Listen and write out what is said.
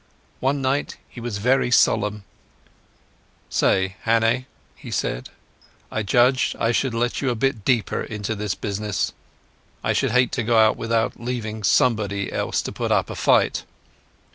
One night he was very solemn. "Say, Hannay," he said, "I judge I should let you a bit deeper into this business. I should hate to go out without leaving somebody else to put up a fight."